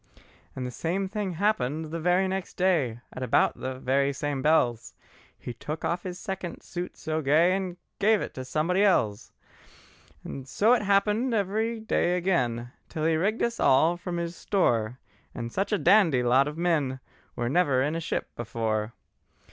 And the same thing happened the very next day, At about the very same bells, He took off his second suit so gay, And gave it to somebody else. So it happened every day again, Till he'd rigged us all from his store; And such a dandy lot of men Were never in a ship before.